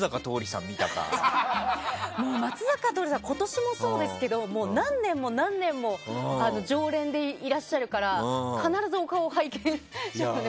松坂桃李さんは今年もそうですけど何年も何年も常連でいらっしゃるから必ずお顔を拝見しますよね